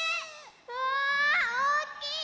うわおおきい！